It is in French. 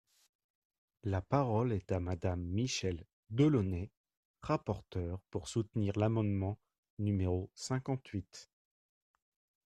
La parole est à Madame Michèle Delaunay, rapporteure, pour soutenir l’amendement numéro cinquante-huit.